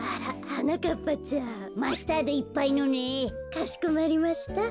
かしこまりました。